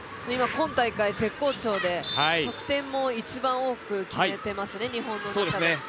今大会絶好調で得点も一番多く決めていますね、日本の中で。